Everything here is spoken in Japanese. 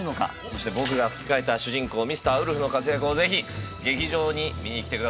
そして僕が吹き替えた主人公ミスター・ウルフの活躍をぜひ劇場に見に来てください